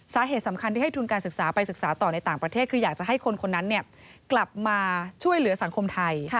สาเหตุสำคัญที่ให้ทุนการศึกษาไปศึกษาต่อในต่างประเทศคืออยากจะให้คนคนนั้นกลับมาช่วยเหลือสังคมไทย